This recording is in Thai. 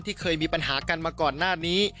เคยมีปัญหากันมาก่อนหน้านี้